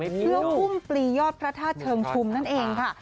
เพื่ออุ้มปลียอดพระธาตุเชิงชุมนั่นเองค่ะ